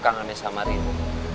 kangen sama riri